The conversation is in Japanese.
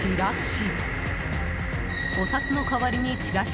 チラシ。